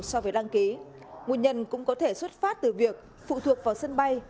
so với đăng ký nguyên nhân cũng có thể xuất phát từ việc phụ thuộc vào sân bay